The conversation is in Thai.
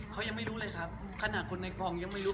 เขายังไม่รู้เลยครับขนาดคนในกองยังไม่รู้